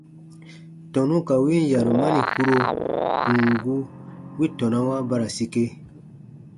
Tɔnu ka win yarumani kpuro, ù n gu, wi tɔnawa ba ra sike.